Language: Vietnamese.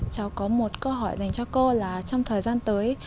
cháu có một câu hỏi dành cho cô là trong thời gian tới